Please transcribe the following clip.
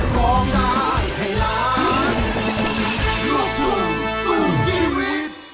โปรดติดตามตอนต่อไป